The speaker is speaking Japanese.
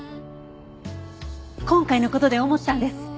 今回の事で思ったんです。